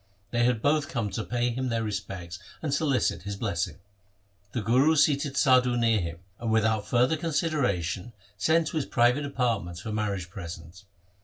They had both come to pay him their respects and solicit his blessing. The Guru seated Sadhu near him and without further con sideration sent to his private apartments for marriage presents.